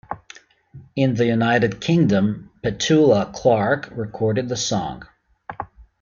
In the United Kingdom, Petula Clark recorded the song.